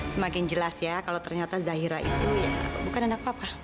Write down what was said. semakin jelas ya kalau ternyata zahira itu bukan anak papa